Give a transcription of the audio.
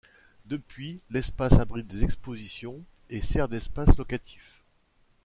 Depuis, l'Espace abrite des expositions et sert d'espace locatif.